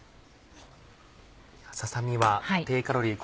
ささ身は低カロリー